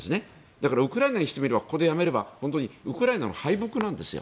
だから、ウクライナにしてみればここでやめればウクライナの敗北なんですよ。